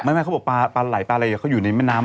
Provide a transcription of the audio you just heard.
ไม่เขาบอกปลาไหลปลาอะไรเขาอยู่ในแม่น้ำ